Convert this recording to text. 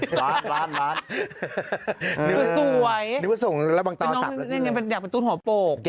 ฮะร้านร้านร้านสวยนี่พลังวงตอสับอยากกระตูหน่อปก